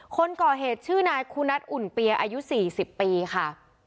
คนก่อเหตุชื่อนายคุณัทอุ่นเปียอายุ๔๐ปีค่ะ